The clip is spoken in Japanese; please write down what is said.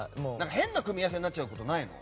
変な組み合わせになることないの？